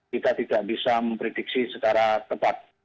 kita tidak bisa memprediksi secara tepat